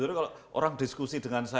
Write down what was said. kalau orang diskusi dengan saya